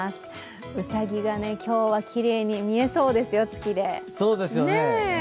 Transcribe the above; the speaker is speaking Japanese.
うさぎが今日はきれいに見えそうですよ、月で。